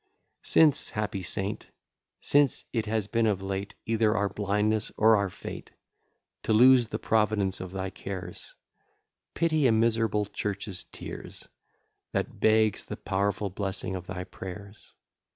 XII Since, happy saint, since it has been of late Either our blindness or our fate, To lose the providence of thy cares Pity a miserable church's tears, That begs the powerful blessing of thy prayers.